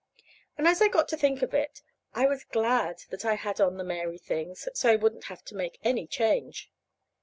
And as I got to thinking of it, I was glad that I had on the Mary things, so I wouldn't have to make any change.